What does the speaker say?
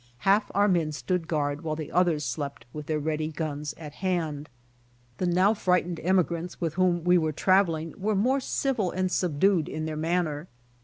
Half our men stood guard, while the others slept with their ready guns at hand. The now frightened emigrants with whom we were traveling were more civil and subdued in their manner.